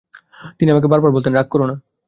তিনি আমাকে বারবার বলতেন, রাগ কোরো না।